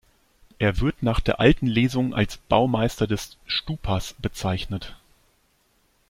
Er wird nach der alten Lesung als Baumeister des Stupas bezeichnet.